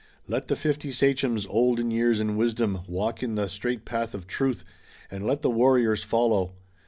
Let the fifty sachems, old in years and wisdom, walk in the straight path of truth, and let the warriors follow!